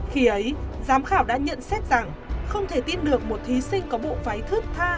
khi ấy giám khảo đã nhận xét rằng không thể tin được một thí sinh có bộ váy thước tha